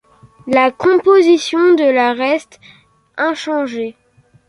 La composition de la reste inchangée.